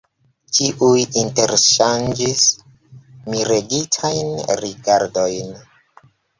Ĉiuj interŝanĝis miregitajn rigardojn.